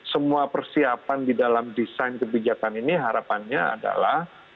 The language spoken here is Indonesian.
semua persiapan di dalam desain kebijakan ini harapannya adalah